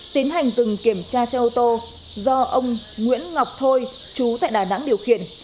tiến hành dừng kiểm tra xe ô tô do ông nguyễn ngọc thôi chú tại đà nẵng điều khiển